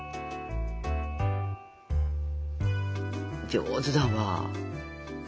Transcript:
上手だわ！